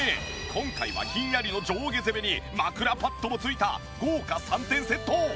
今回はひんやりの上下攻めに枕パッドも付いた豪華３点セット！